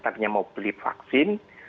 tadinya mau beli vaksin